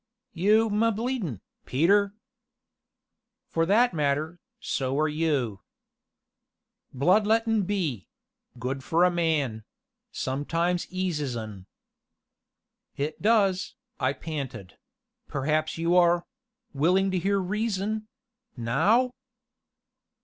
"You 'm a bleedin', Peter!" "For that matter, so are you." "Blood lettin' be good for a man sometimes eases un." "It does," I panted; "perhaps you are willing to hear reason now?"